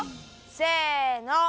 せの！